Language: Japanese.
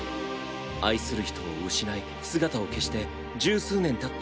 愛する人を失い姿を消して１０数年たった